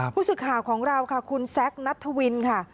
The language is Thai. ผู้สื่อข่าวของเราค่ะคุณแซคนัทวินค่ะ